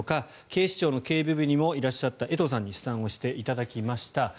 警視庁の警備部にもいらっしゃった江藤さんに試算していただきました。